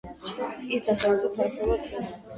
ის დასავლეთთან თანამშრომლობდა კიდეც.